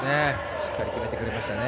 しっかりとめてくれましたね。